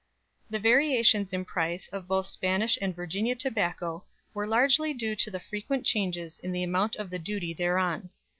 The variations in price of both Spanish and Virginia tobacco were largely due to the frequent changes in the amount of the duty thereon.